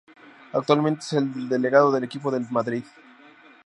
Actualmente es el delegado del equipo del Real Madrid.